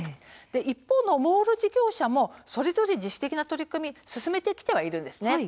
一方のモール事業者もそれぞれ自主的な取り組みを進めてきてはいるんです。